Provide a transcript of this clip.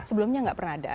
sebelumnya nggak pernah ada